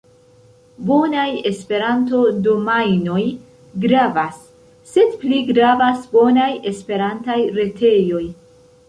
Bonaj Esperanto-domajnoj gravas, sed pli gravas bonaj Esperantaj retejoj.